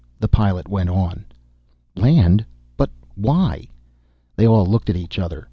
The pilot went on. "Land? But why?" They all looked at each other.